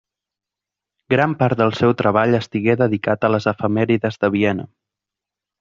Gran part del seu treball estigué dedicat a les efemèrides de Viena.